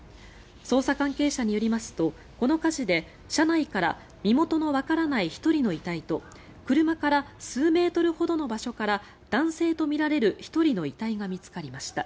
捜査関係者によりますとこの火事で車内から身元のわからない１人の遺体と車から数メートルほどの場所から男性とみられる１人の遺体が見つかりました。